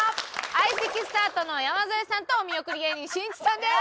相席スタートの山添さんとお見送り芸人しんいちさんです。